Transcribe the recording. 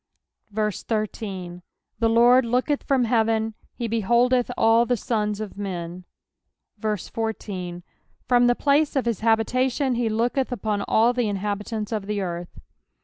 13 The Lord looketh from heaven ; he beholdeth all the sons of men. 14 From the place of his habitation he looketh upon all the in habitants of the earth.